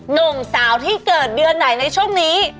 หนุ่มสาวที่เกิดเดือนไหนในช่วงนี้